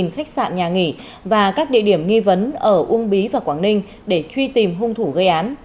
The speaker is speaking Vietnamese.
một mươi khách sạn nhà nghỉ và các địa điểm nghi vấn ở uông bí và quảng ninh để truy tìm hung thủ gây án